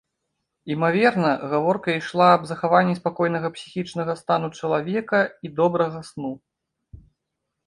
Імаверна, гаворка ішла аб захаванні спакойнага псіхічнага стану чалавека і добрага сну.